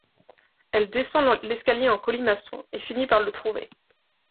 Elle descend l'escalier en colimaçon et finit par le trouver.